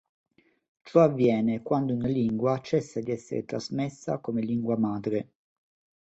Ciò avviene quando una lingua cessa di essere trasmessa come lingua madre.